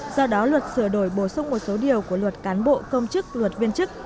do đó luật sửa đổi bổ sung một số điều của luật cán bộ công chức luật viên chức